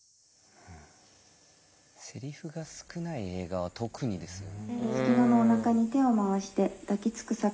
セリフが少ない映画は特にですよね。